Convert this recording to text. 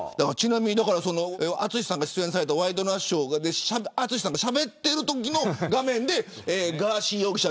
淳さんが出演されたワイドナショーで淳さんがしゃべっているときの画面でガーシー容疑者